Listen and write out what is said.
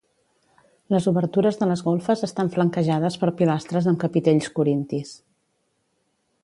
Les obertures de les golfes estan flanquejades per pilastres amb capitells corintis.